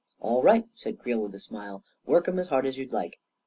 14 All right," said Creel, with a smile. ,4 Work 'em as hard as you like."